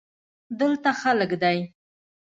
دلته خلگ دی.